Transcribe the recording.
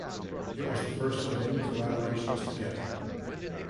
It was the first of many collaborations together.